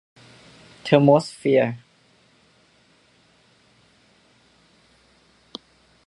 เทอร์โมสเฟียร์